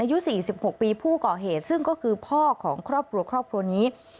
อายุ๔๖ปีผู้ก่อเหตุซึ่งก็คือพ่อของครอบครัวครอบครัวนี้